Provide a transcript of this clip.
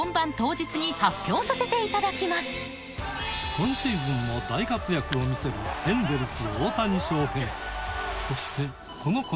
今シーズンも大活躍を見せるエンゼルス